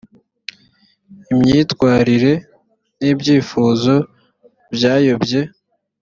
imyitwarire n ibyifuzo byayobye